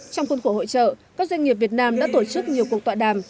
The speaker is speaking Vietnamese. trong khuôn khổ hội trợ các doanh nghiệp việt nam đã tổ chức nhiều cuộc tọa đàm